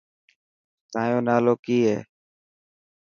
تايو نالو ڪي هي.